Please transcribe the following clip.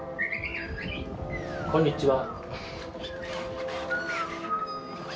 「こんにちは」。